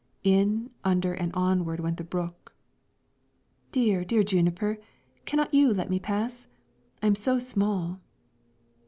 In, under, and onward went the brook. "Dear, dear juniper, cannot you let me pass? I am so small."